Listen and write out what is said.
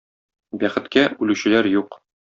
Бәхеткә, үлүчеләр юк.